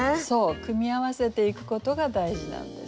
組み合わせていくことが大事なんです。